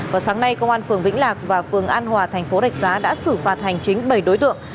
vào sáng nay công an phường vĩnh lạc và phường an hòa thành phố rạch giá đã xử phạt hành chính bảy đối tượng